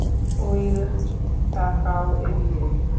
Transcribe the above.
Will, তাকাও এদিকে।